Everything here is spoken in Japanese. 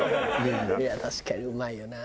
確かにうまいよな。